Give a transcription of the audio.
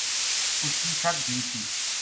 اُ س کی ست دھی تھی